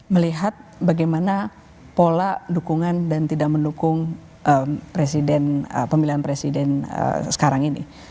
melihat bagaimana pola dukungan dan tidak mendukung pemilihan presiden sekarang ini